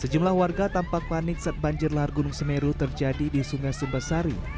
sejumlah warga tampak panik saat banjir lahar gunung semeru terjadi di sungai sumbasari